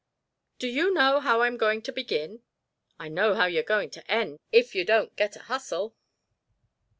"Do you know how I'm going to begin?" "I know how you're going to end, if you don't get a hustle."